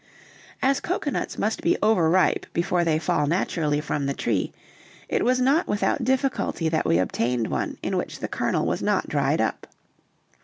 As cocoanuts must be over ripe before they fall naturally from the tree, it was not without difficulty that we obtained one in which the kernel was not dried up.